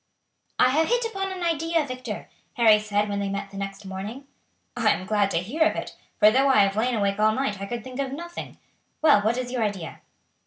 "I have hit upon an idea, Victor," Harry said when they met the next morning. "I am glad to hear it, for though I have lain awake all night I could think of nothing. Well, what is your idea?"